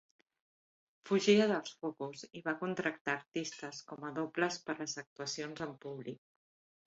Fugia dels focus i va contractar artistes com a dobles per a les actuacions en públic.